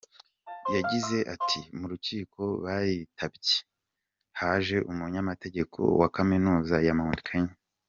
Yagize ati “Mu rukiko baritabye, haje umunyamategeko wa Kaminuza ya Mount Kenya.